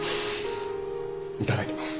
いただきます。